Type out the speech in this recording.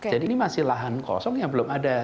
jadi ini masih lahan kosong yang belum ada